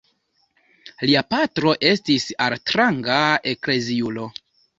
Lia patro estis altranga ekleziulo.